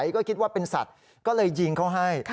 ก็คิดว่าเป็นสัตว์ก็เลยยิงเขาให้